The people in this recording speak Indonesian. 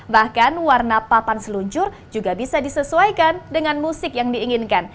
bahkan warna papan seluncur juga bisa disesuaikan dengan musik yang diinginkan